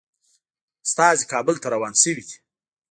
استازي کابل ته روان شوي دي.